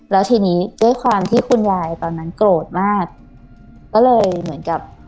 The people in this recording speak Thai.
แล้วทีนี้ด้วยความที่คุณยายตอนนั้นโกรธมากก็เลยเหมือนกับ